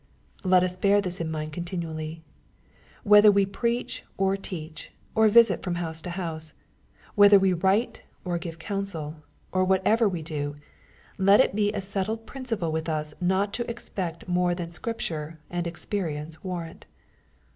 Let us bear this in mind continually. Whether wo preach, or teach, or visit from house to house, — whether we write or give counsel, or whatever we do, let it be a MATTHEW, CHAP. X. >Wr ^i:=r;< ... M^^^ settled principle with us not to expect more than 9p^a^\.ir^'^^ ture and experience warrant.